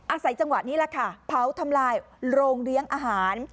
อาศัยจังหวะนี้แหละค่ะเผาทำลายโรงเลี้ยงอาหาร